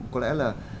có lẽ là